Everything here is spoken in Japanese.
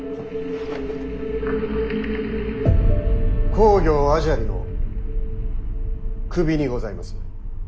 公暁阿闍梨の首にございます。